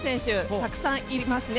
たくさんいますね。